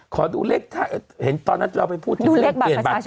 ขอดูเลขถ้าเห็นตอนนั้นเราไปพูดดูเลขบัตรประชาชนเหรอ